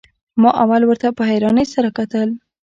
ما اول ورته په حيرانۍ سره کتل.